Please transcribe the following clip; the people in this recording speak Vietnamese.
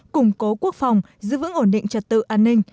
củng cố quốc phòng giữ vững ổn định trật tự an ninh